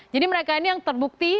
jadi mereka ini yang terbukti